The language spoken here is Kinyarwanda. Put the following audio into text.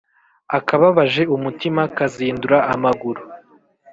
Akababaje umutima kazindura amaguru.